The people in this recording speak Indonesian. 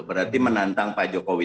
berarti menantang pak jokowi